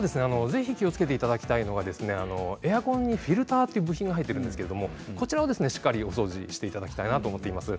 ぜひ気をつけていただきたいのはエアコンにフィルターという部品が入っているんですけれどもこちらをしっかりお掃除していただきたいなと思っています。